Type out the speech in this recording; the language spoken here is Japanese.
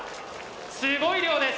すごい量です。